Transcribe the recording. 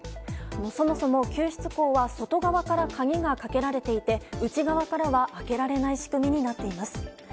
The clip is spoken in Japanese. そもそも救出口は外側から鍵がかけられていて内側からは開けられない仕組みになっています。